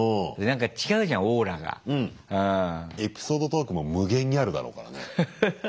エピソードトークも無限にあるだろうからね。